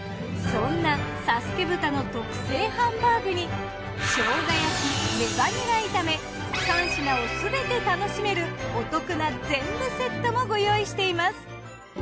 そんな佐助豚の特製ハンバーグに生姜焼きレバニラ炒め３品をすべて楽しめるお得な全部セットもご用意しています。